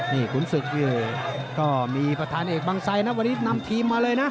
นี่ขุนศึกนี่ก็มีประธานเอกบางไซนะวันนี้นำทีมมาเลยนะ